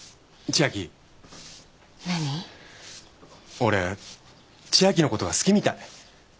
千明のことが好きみたい。